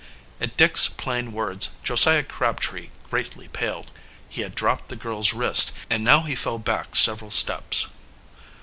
At Dick's plain words Josiah Crabtree greatly paled. He had dropped the girl's wrist and now he fell back several steps.